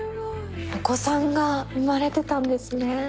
お子さんが生まれてたんですね。